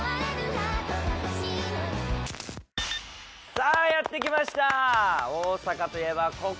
さあやって来ました！